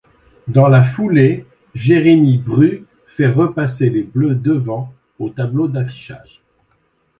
Dans la foulée, Jérémy Bru fait repasser les Bleus devant au tableau d'affichage.